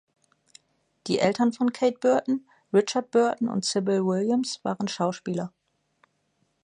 Die Eltern von Kate Burton, Richard Burton und Sybil Williams, waren Schauspieler.